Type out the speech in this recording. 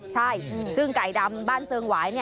ใช่ซึ่งไก่ดำบ้านเซิงหวาย